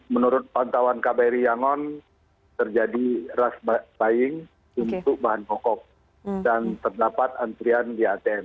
menurut pantauan kbri yangon terjadi rush buying untuk bahan pokok dan terdapat antrian di atm